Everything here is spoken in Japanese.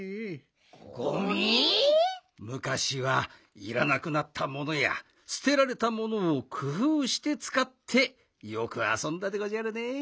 むかしはいらなくなったものやすてられたものをくふうしてつかってよくあそんだでごじゃるねえ。